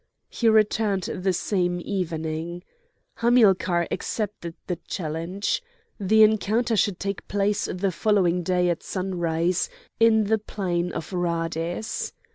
He returned the same evening. Hamilcar accepted the challenge. The encounter should take place the following day at sunrise, in the plain of Rhades.